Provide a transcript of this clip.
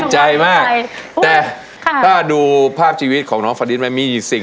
๓หมื่นเบอร์